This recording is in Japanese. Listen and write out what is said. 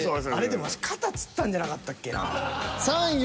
でもワシ肩つったんじゃなかったっけな。